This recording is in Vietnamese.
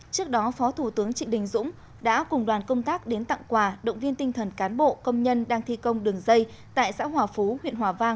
trước đó phó thủ tướng trị đình dũng đã cùng đoàn công tác đến tặng quà động viên tinh thần cán bộ công nhân đang thi công đường dây tại xã hòa phú huyện hòa vang thành phố đà nẵng